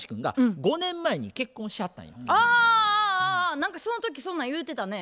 何かその時そんなん言うてたね。